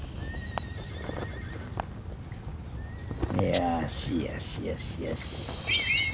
よしよしよしよし。